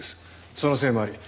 そのせいもあり宗